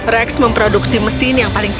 rex memproduksi mesin yang paling cocok